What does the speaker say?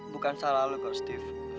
bukan salah lo kok steve